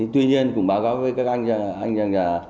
tuy nhiên cũng báo cáo với các anh là